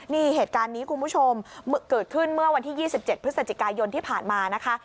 นี่เหตุการณ์นี้คุณผู้ชมเกิดขึ้นเมื่อวันที่๒๗พฤศจิกายนที่ผ่านมานะคะ